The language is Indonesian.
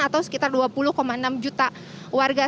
atau sekitar dua puluh enam juta warga